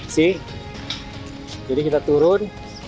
jadi kita turun